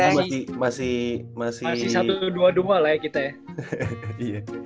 karena masih satu dua dua lah ya kita ya